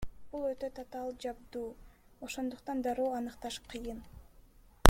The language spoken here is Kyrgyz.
Бул өтө татаал жабдуу, ошондуктан дароо аныкташ кыйын.